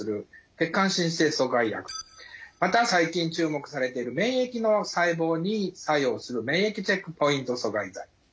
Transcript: また最近注目されている免疫の細胞に作用する免疫チェックポイント阻害剤。